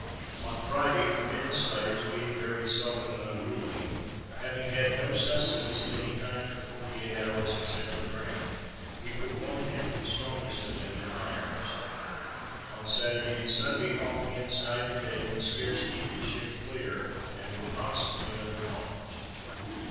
"On Friday, the men slaves being very sullen and unruly, having had no sustenance of any kind for forty eight hours, except a dram, we put one half of the strongest of them in irons. "On Saturday and Sunday, all hands night and day could scarce keep the ship clear, and were constantly under arms.